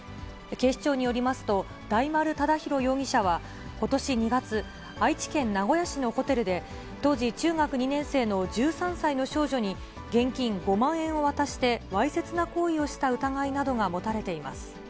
警視庁によりますと、大丸侃広容疑者はことし２月、愛知県名古屋市のホテルで、当時中学２年生の１３歳の少女に、現金５万円を渡してわいせつな行為をした疑いなどが持たれています。